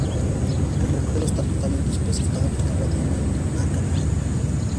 El recorrido está totalmente especificado, y la carrera tiene lugar cada año.